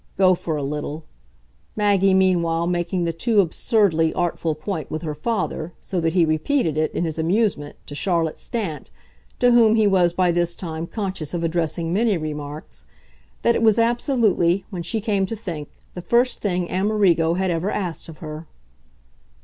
go for a little; Maggie meanwhile making the too absurdly artful point with her father, so that he repeated it, in his amusement, to Charlotte Stant, to whom he was by this time conscious of addressing many remarks, that it was absolutely, when she came to think, the first thing Amerigo had ever asked of her.